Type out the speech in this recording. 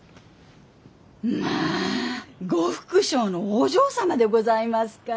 まあ呉服商のお嬢様でございますか。